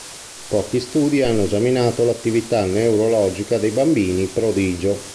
Pochi studi hanno esaminato l'attività neurologica dei bambini prodigio.